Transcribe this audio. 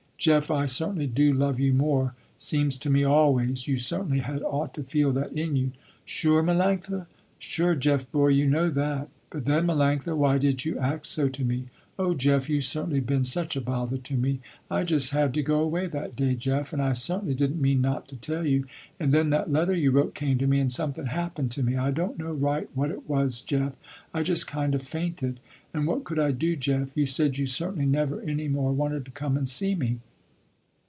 "Jeff, I certainly do love you more seems to me always, you certainly had ought to feel that in you." "Sure Melanctha?" "Sure Jeff boy, you know that." "But then Melanctha why did you act so to me?" "Oh Jeff you certainly been such a bother to me. I just had to go away that day Jeff, and I certainly didn't mean not to tell you, and then that letter you wrote came to me and something happened to me. I don't know right what it was Jeff, I just kind of fainted, and what could I do Jeff, you said you certainly never any more wanted to come and see me!"